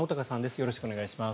よろしくお願いします。